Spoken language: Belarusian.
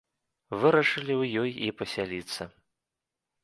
Вырашылі ў ёй і пасяліцца.